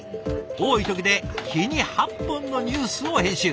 多い時で日に８本のニュースを編集。